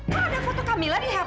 kau ada foto kamilah di hp kamu